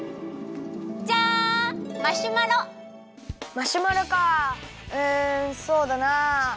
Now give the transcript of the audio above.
マシュマロかうんそうだな。